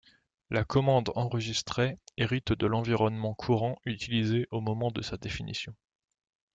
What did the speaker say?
La commande enregistrée hérite de l'environnement courant utilisé au moment de sa définition.